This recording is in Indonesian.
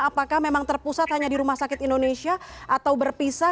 apakah memang terpusat hanya di rumah sakit indonesia atau berpisah